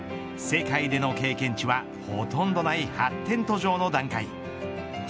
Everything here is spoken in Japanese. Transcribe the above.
世界での経験値はほとんどない発展途上の段階。